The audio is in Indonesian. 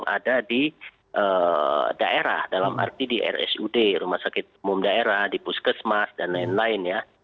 ada di daerah dalam arti di rsud rumah sakit umum daerah di puskesmas dan lain lain ya